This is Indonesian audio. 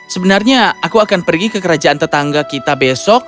sebenarnya aku akan pergi ke kerajaan tetangga kita besok